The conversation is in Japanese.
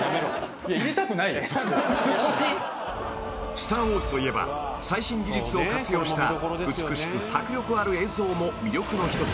［『スター・ウォーズ』といえば最新技術を活用した美しく迫力ある映像も魅力の一つ］